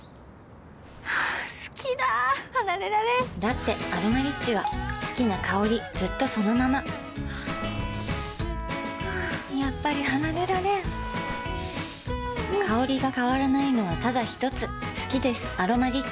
好きだ離れられんだって「アロマリッチ」は好きな香りずっとそのままやっぱり離れられん香りが変わらないのはただひとつ好きです「アロマリッチ」